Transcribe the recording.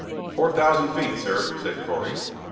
"Four thousand feet, sir," said Correy.